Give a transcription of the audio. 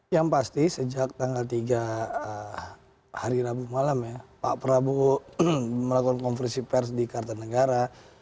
yang pasti sejak tanggal tiga hari rabu malam ya pak prabowo melakukan konferensi pers di kartanegara